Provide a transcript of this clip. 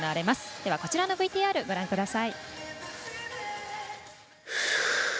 では、こちらのＶＴＲご覧ください。